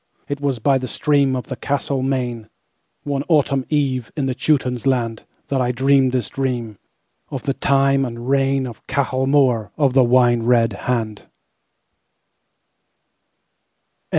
It was by the streamOf the castled Maine, One Autumn eve, in the Teuton's land, That I dreamed this dreamOf the time and reignOf Cahal Mór of the Wine red Hand.